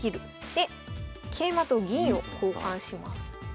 で桂馬と銀を交換します。